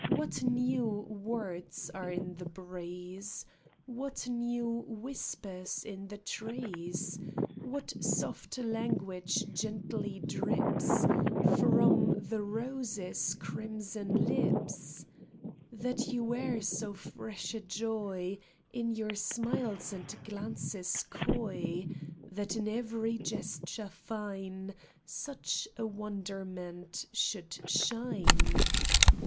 What new words are in the breeze ? What new whispers in the trees ? What soft language gently drips From the roses' crimson lips ; That you wear so fresh a joy In your smiles and glances coy ; That in every gesture fine Such a wonderment should shine